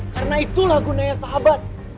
karena itulah gunanya sahabat